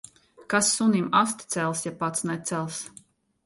Kas sunim asti cels, ja pats necels.